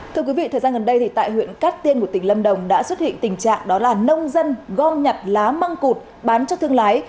thưa quý vị thời gian gần đây tại huyện cát tiên của tỉnh lâm đồng đã xuất hiện tình trạng đó là nông dân gom nhặt lá măng cụt bán cho thương lái